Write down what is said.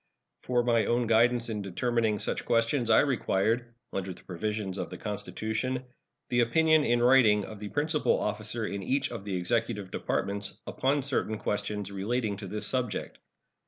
For my own guidance in determining such questions I required (under the provisions of the Constitution) the opinion in writing of the principal officer in each of the Executive Departments upon certain questions relating to this subject.